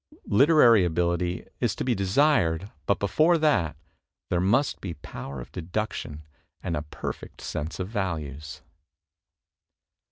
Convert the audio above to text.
Literary ability is to be desired; but before that, there must be power of deduction and a perfect sense of values.